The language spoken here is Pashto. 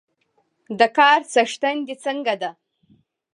د کار څښتن د څنګه ده؟